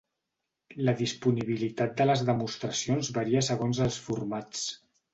La disponibilitat de les demostracions varia segons els formats.